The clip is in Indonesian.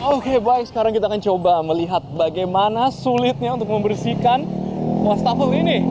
oke baik sekarang kita akan coba melihat bagaimana sulitnya untuk membersihkan wastafel ini